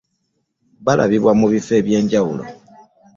Balabibwa mu bifo ebyenjawulo.